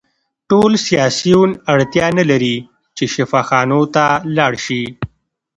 ټول سیاسیون اړتیا نلري چې شفاخانو ته لاړ شي